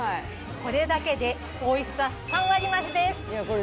これだけでおいしさ３割増しです。